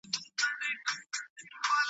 له بهرامه ښادي حرامه .